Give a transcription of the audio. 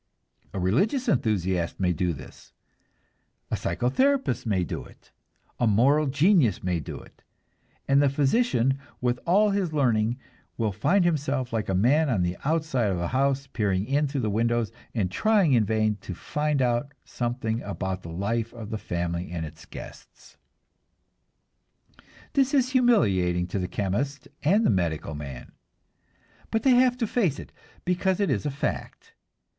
A religious enthusiast may do this, a psychotherapist may do it, a moral genius may do it; and the physician with all his learning will find himself like a man on the outside of a house, peering in through the windows and trying in vain to find out something about the life of the family and its guests. This is humiliating to the chemist and the medical man, but they have to face it, because it is a fact.